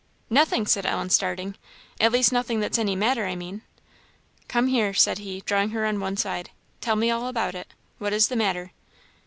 "Nothing," said Ellen, starting "at least nothing that's any matter, I mean." "Come here," said he, drawing her on one side; "tell me all about it what is the matter?"